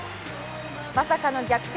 まさかの逆転